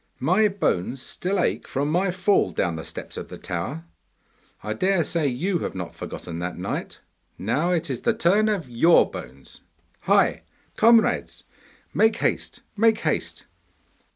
My bones still ache from my fall down the steps of the tower. I dare say you have not forgotten that night! Now it is the turn of your bones. Hi! comrades, make haste! make haste!